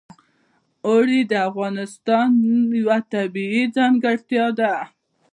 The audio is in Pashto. اوړي د افغانستان یوه طبیعي ځانګړتیا ده.